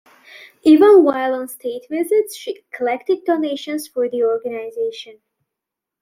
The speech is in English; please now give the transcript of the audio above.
Even while on state visits, she collected donations for the organization.